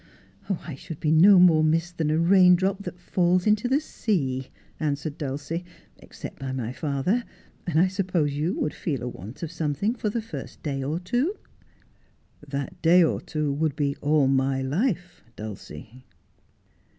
' I should be no more missed than a rain drop that falls into the sea,' answered Dulcie, ' except by my father ; and I suppose you would feel a want of something for the first day or two.' ' That day or two would be all my life, Dulcie.'